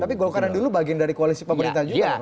tapi golkar yang dulu bagian dari koalisi pemerintah juga ya romo